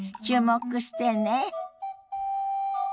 注目してね。